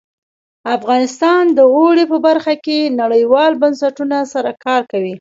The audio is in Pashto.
افغانستان د اوړي په برخه کې نړیوالو بنسټونو سره کار کوي.